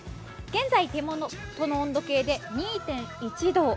現在、手元の温度計で２．１度。